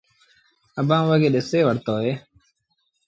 اڀآنٚ اُئي کي ڏسي وٺتو اهي۔